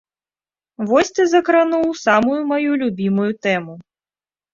Вось ты закрануў самую маю любімую тэму.